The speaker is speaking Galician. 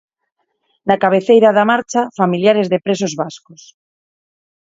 Na cabeceira da marcha, familiares de presos vascos.